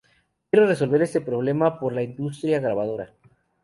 Quiero resolver este problema por la industria grabadora